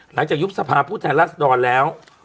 หลังจากยุบสภาพุทธรรมดรแล้ว